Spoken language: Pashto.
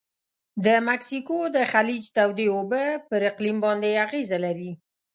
د مکسیکو د خلیج تودې اوبه پر اقلیم باندې اغیزه لري.